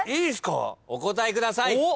お答えください。